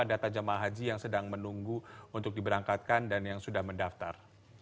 data jemaah haji yang sedang menunggu untuk diberangkatkan dan yang sudah mendaftar